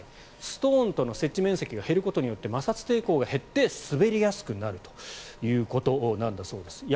ストーンとの接地面積が減ることで摩擦抵抗が減って滑りやすくなるということなんだそうです。